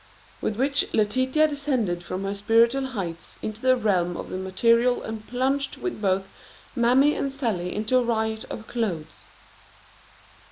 With which Letitia descended from her spiritual heights into the realm of the material and plunged with both Mammy and Sallie into a riot of clothes.